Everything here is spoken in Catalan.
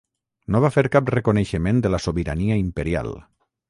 No va fer cap reconeixement de la sobirania imperial.